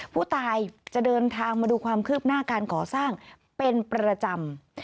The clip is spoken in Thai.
ผู้ตายจะเดินทางมาดูความคืบหน้าการก่อสร้างเป็นประจำ